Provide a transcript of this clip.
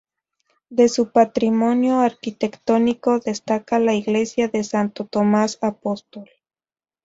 De su patrimonio arquitectónico destaca la iglesia de Santo Tomás apóstol.